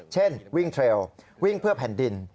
เช่นวิ่งเทรลวิ่งเพื่อแผ่นดิน